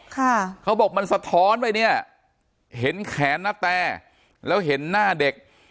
เขาบอกมันสะท้อนไปเนี่ยเห็นแขนนาแตแล้วเห็นหน้าเด็ก